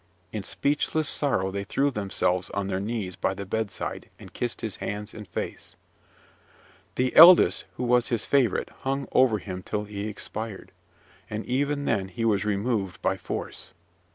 In speechless sorrow they threw themselves on their knees by the bedside, and kissed his hands and face. The eldest, who was his favourite, hung over him till he expired; and even then he was removed by force.